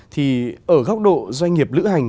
thì ở góc độ doanh nghiệp lữ hành